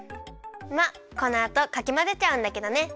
まあこのあとかきまぜちゃうんだけどね。